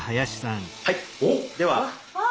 はい！